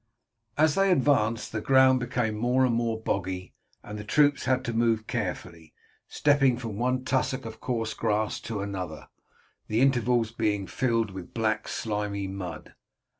As they advanced the ground became more and more boggy, and the troops had to move carefully, stepping from one tussock of coarse grass to another, the intervals being filled with black slimy mud.